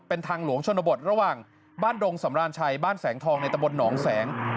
เป็นทางหลวงชนบทระหว่างบ้านดงสำราญชัยบ้านแสงทองในตะบลหนองแสง